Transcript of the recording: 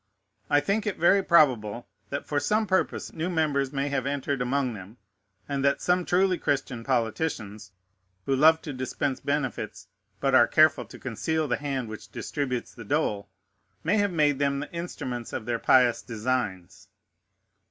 I think it very probable, that, for some purpose, new members may have entered among them, and that some truly Christian politicians, who love to dispense benefits, but are careful to conceal the hand which distributes the dole, may have made them the instruments of their pious designs.